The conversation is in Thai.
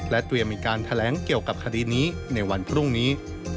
เตรียมมีการแถลงเกี่ยวกับคดีนี้ในวันพรุ่งนี้